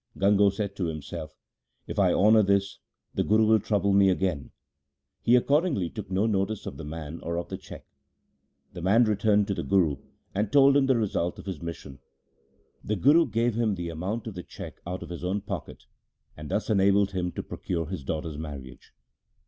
Gango said to himself, ' If I honour this, the Guru will trouble me again.' He accord ingly took no notice of the man or of the cheque. The man returned to the Guru, and told him the result of his mission. The Guru gave him the amount of the cheque out of his own pocket, and thus enabled him to procure his daughter's marriage.